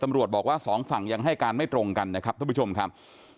ตำรวจบอกว่า๒ฝั่งยังให้การไม่ตรงกันนะครับท่านผู้ชมครับ